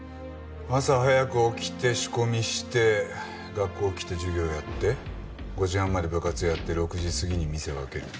朝早く起きて仕込みして学校来て授業やって５時半まで部活やって６時過ぎに店を開ける。